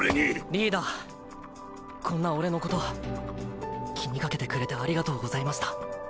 リーダーこんな俺のこと気にかけてくれてありがとうございました。